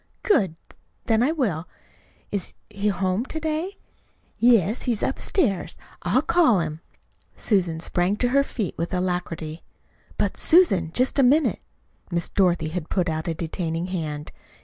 "Good! Then I will. Is is he at home to day?" "Yes, he's upstairs. I'll call him." Susan sprang to her feet with alacrity. "But, Susan, just a minute!" Miss Dorothy had put out a detaining hand.